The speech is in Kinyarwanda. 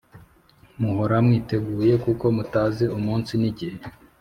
Muhora mwiteguye kuko mutazi umunsi nigihe